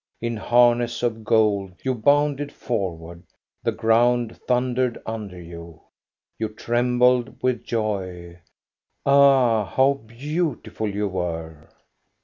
In harness of gold you bounded forward ; the ground thundered under you. You trembled with joy. Ah, how beautiful you were!